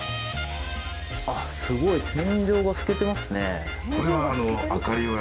あっすごい。